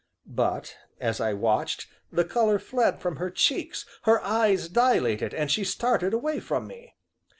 But, as I watched, the color fled from her cheeks, her eyes dilated, and she started away from me.